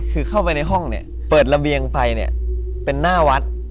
คือเข้าไปในห้องเนี่ยเปิดระเบียงไปเนี่ยเป็นหน้าวัด